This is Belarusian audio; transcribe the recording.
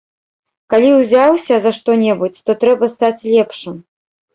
Калі ўзяўся за што-небудзь, то трэба стаць лепшым.